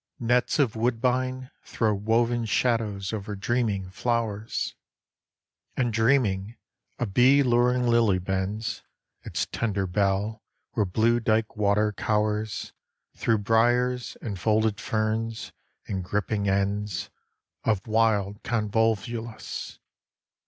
Nets of woodbine Throw woven shadows over dreaming flowers, 46 THOUGHTS AT THE TRYSTING STILE 47 And dreaming, a bee luring lily bends Its tender bell where blue dyke water cowers Thro' briars, and folded ferns, and gripping ends Of wild convolvulus.